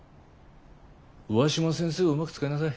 上嶋先生をうまく使いなさい。